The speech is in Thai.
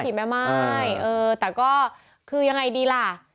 แม่ม่ายเออแต่ก็คือยังไงดีล่ะ